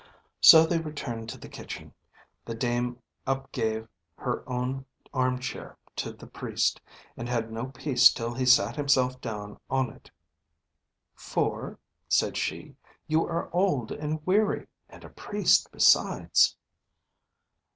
So they returned to the kitchen; the dame up gave her own arm chair to the Priest, and had no peace till he sat himself down on it: "For," said she, "you are old and weary, and a priest besides."